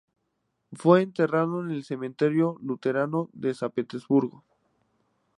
Fue enterrado en el Cementerio luterano de San Petersburgo.